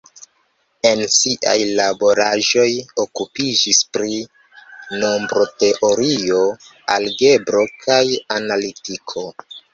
En siaj laboraĵoj okupiĝis pri nombroteorio, algebro kaj analitiko.